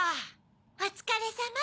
おつかれさま。